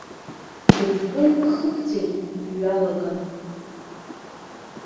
Быҵкы хыбҵәеит бҩалаган.